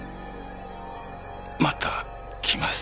また来ます。